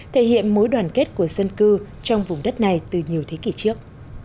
thể hiện mối đoàn kết của dân cư trong vùng đất này từ nhiều thế kỷ trước